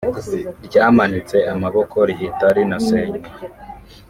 ryamanitse amaboko rihita rinasenywa